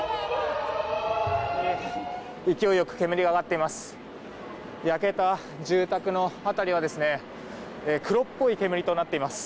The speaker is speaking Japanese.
勢いよく煙が上がっています。